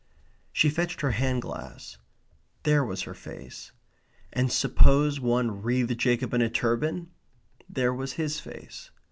She fetched her hand glass. There was her face. And suppose one wreathed Jacob in a turban? There was his face.